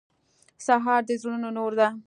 سهار د زړونو نور ده.